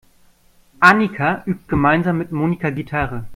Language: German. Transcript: Annika übt gemeinsam mit Monika Gitarre.